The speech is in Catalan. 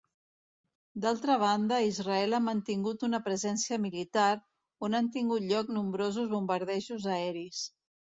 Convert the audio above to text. D'altra banda Israel ha mantingut una presència militar, on han tingut lloc nombrosos bombardejos aeris.